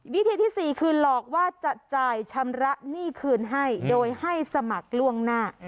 วิธีที่๔คือหลอกว่าจะจ่ายชำระหนี้คืนให้โดยให้สมัครล่วงหน้า